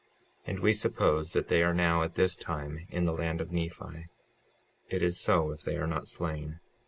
And we suppose that they are now at this time in the land of Nephi; it is so if they are not slain.